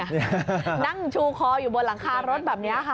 นั่งชูคออยู่บนหลังคารถแบบนี้ค่ะ